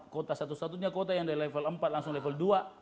kota satu satunya kota yang dari level empat langsung level dua